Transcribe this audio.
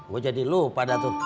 gue jadi lo pada tuh